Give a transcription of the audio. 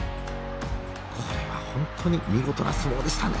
これは本当に見事な相撲でしたね。